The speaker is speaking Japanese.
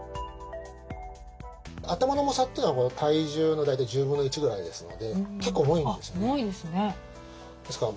頭の重さってのは体重の大体１０分の１ぐらいですので結構重いんですよね。